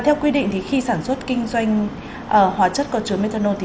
theo quy định khi sản xuất kinh doanh hóa chất có chứa methanol